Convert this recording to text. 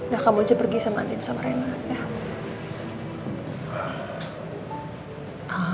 nah kamu aja pergi sama andin sama rena